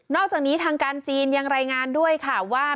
อกจากนี้ทางการจีนยังรายงานด้วยค่ะว่า